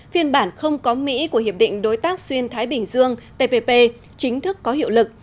phiên bản không có mỹ của hiệp định đối tác xuyên thái bình dương tppp chính thức có hiệu lực